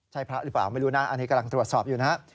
ใช่พระหรือเปล่าไม่รู้นะอันนี้กำลังตรวจสอบอยู่นะครับ